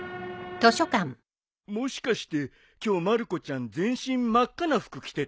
もしかして今日まる子ちゃん全身真っ赤な服着てた？